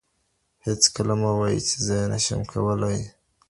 هېڅکله مه وایئ چې زه یې نه شم کولای.